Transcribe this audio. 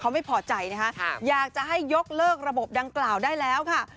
เขาไม่พอใจนะคะอยากจะให้ยกเลิกระบบดังกล่าวได้แล้วค่ะ